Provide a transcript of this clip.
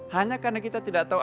hanya karena kita tidak tahu